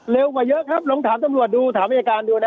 กว่าเยอะครับลองถามตำรวจดูถามอายการดูนะ